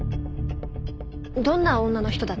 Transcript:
どんな女の人だった？